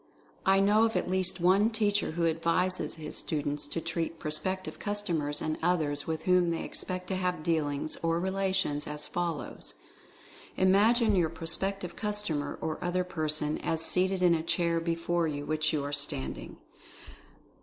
I know of at least one teacher who advises his students to "treat" pros pective customers, and others with whom they expect to have dealings, or relations, as follows: "Imagine Concluding Instruction 245 your prospective customer, or other person, as seated in a chair before which you are standing.